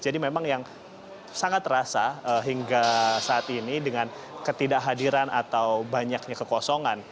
jadi memang yang sangat terasa hingga saat ini dengan ketidakhadiran atau banyaknya kekosongan